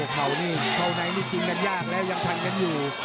เขานี่เข้าในนี่กินกันยากแล้วยังพันกันอยู่